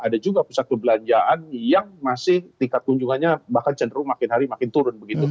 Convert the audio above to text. ada juga pusat perbelanjaan yang masih tingkat kunjungannya bahkan cenderung makin hari makin turun begitu